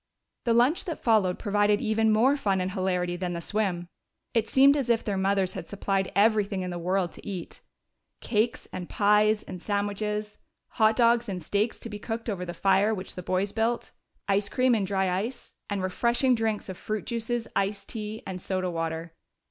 The lunch that followed provided even more fun and hilarity than the swim. It seemed as if their mothers had supplied everything in the world to eat. Cakes and pies and sandwiches; hot dogs and steaks to be cooked over the fire which the boys built; ice cream in dry ice, and refreshing drinks of fruit juices, iced tea, and soda water.